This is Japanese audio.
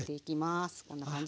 こんな感じで。